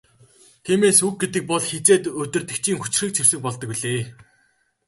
Тиймээс үг гэдэг бол хэзээд удирдагчийн хүчирхэг зэвсэг болдог билээ.